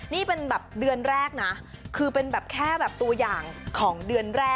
นี่มันแบบเดือนแรกซึ่งเป็นแบบแค่ตัวอย่างของเดือนแรก